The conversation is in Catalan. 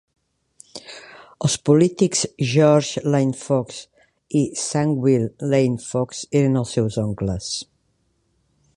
Els polítics George Lane-Fox i Sackville Lane-Fox eren els seus oncles.